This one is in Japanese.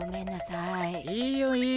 いいよいいよ。